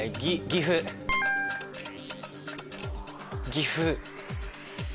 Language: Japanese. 岐阜。